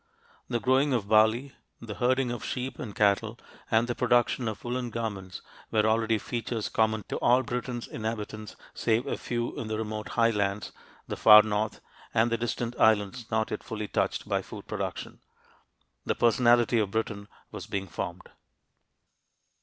The growing of barley, the herding of sheep and cattle, and the production of woolen garments were already features common to all Britain's inhabitants save a few in the remote highlands, the far north, and the distant islands not yet fully touched by food production. The "personality of Britain" was being formed.